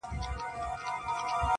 د ملالۍ له پلوونو سره لوبي کوي،